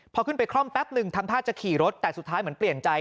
พอขึ้นไปคล่อมแป๊บหนึ่งทำท่าจะขี่รถแต่สุดท้ายเหมือนเปลี่ยนใจ